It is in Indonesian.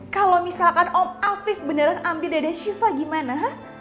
kalau misalkan om hafif beneran ambil dada syifa gimana